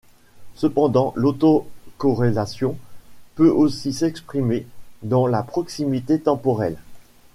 Cependant, l'autocorrélation peut aussi s'exprimer dans la proximité temporelle.